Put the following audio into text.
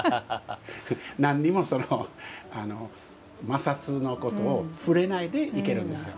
何にも、摩擦のことを触れないで行けるんですよ。